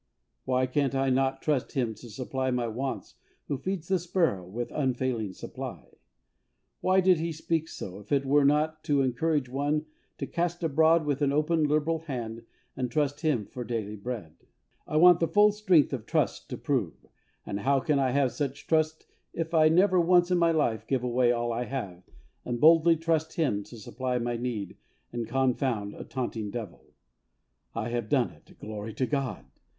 Why can I not trust Him to supply my wants, who feeds the sparrows with unfailing supply ? Why did He speak so, if it was not to encourage one to cast abroad with an open, liberal hand and trust Him for daily bread ? HOLINESS AND SELF DENIAL. 77 I want the "full strength of trust to prove," and how can I have such trust if I never once in my life give away all I have, and boldly trust Him to supply my need and confound a taunting devil ? I have done it ; glory to God